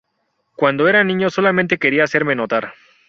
Cuando era niño solamente quería hacerme notar.